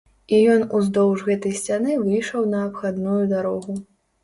І ён уздоўж гэтай сцяны выйшаў на абхадную дарогу.